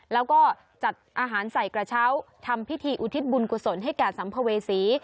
แล้วก็จัดอาหารใส่กระเช้าทำพิธีอุทิศบุญกุศลให้แก่สัมภเวษี